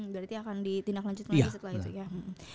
berarti akan ditindak lanjut lagi setelah itu ya